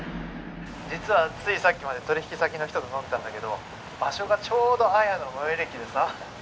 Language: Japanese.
実はついさっきまで取引先の人と飲んでたんだけど場所がちょうど彩の最寄り駅でさ。